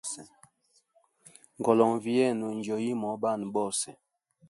Ngolonvi yenu njo yimo banwe bose.